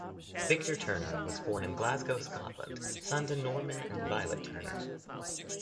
Victor Turner was born in Glasgow, Scotland, son to Norman and Violet Turner.